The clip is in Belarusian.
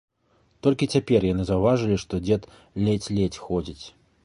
Толькі цяпер яны заўважылі, што дзед ледзь-ледзь ходзіць.